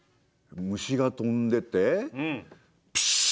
虫が飛んでてプシュ！